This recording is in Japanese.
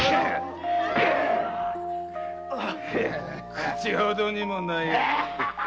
口ほどにもないやつ。